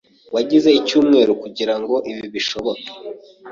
Wagize icyumweru kugirango ibi bishoboke.